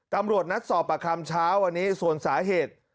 ตำรวจนัดสอบประคำเช้าวันนี้ส่วนสาเหตุ